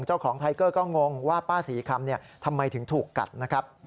ไทเกอร์ก็งงว่าป้าศรีคำทำไมถึงถูกกัดนะครับ